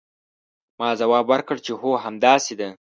ما ځواب ورکړ چې هو همداسې ده.